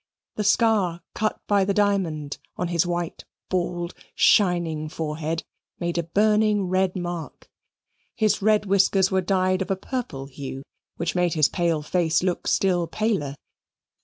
The scar cut by the diamond on his white, bald, shining forehead made a burning red mark; his red whiskers were dyed of a purple hue, which made his pale face look still paler.